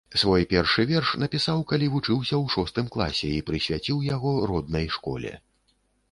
Свой першы верш напісаў, калі вучыўся ў шостым класе, і прысвяціў яго роднай школе.